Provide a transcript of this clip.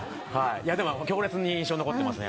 でも強烈に印象に残ってますね。